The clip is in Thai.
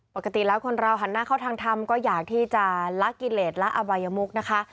ปกติแล้วคนเราหันหน้าเข้าทางธรรมก็อยากที่จะลักกิเลสและอบายมุกนะคะ